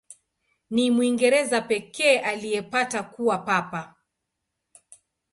Ni Mwingereza pekee aliyepata kuwa Papa.